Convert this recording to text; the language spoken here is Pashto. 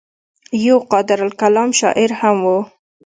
يو قادرالکلام شاعر هم وو